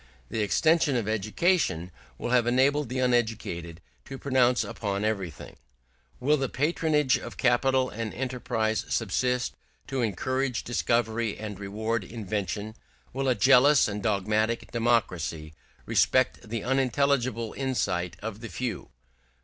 The extension of education will have enabled the uneducated to pronounce upon everything. Will the patronage of capital and enterprise subsist, to encourage discovery and reward invention? Will a jealous and dogmatic democracy respect the unintelligible insight of the few?